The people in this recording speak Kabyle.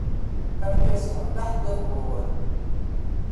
Argaz-a, d aḥeddad n wawal.